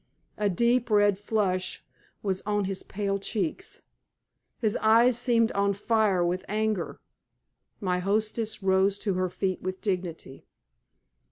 A deep red flush was on his pale cheeks. His eyes seemed on fire with anger. My hostess rose to her feet with dignity.